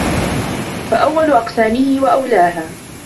فَأَوَّلُ أَقْسَامِهِ وَأَوْلَاهَا